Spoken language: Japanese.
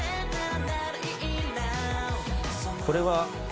これは。